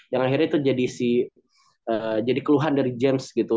yang akhirnya itu jadi keluhan dari james gitu